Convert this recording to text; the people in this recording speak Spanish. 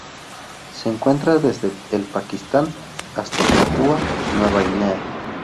Se encuentra desde el Pakistán hasta Papúa Nueva Guinea.